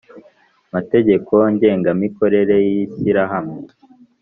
Mategeko ngengamikorere y ishyirahamwe